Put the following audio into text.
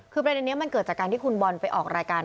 คือประเด็นนี้มันเกิดจากการที่คุณบอลไปออกรายการ